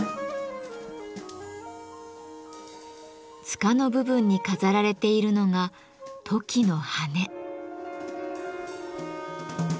つかの部分に飾られているのがトキの羽根。